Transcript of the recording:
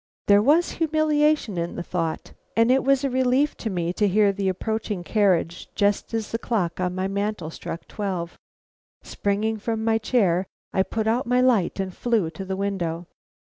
There was humiliation in the thought, and it was a relief to me to hear an approaching carriage just as the clock on my mantel struck twelve. Springing from my chair, I put out my light and flew to the window.